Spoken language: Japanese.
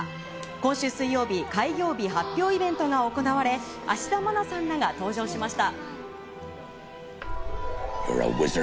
今週水曜日、開業日発表イベントが行われ、芦田愛菜さんらが登場しました。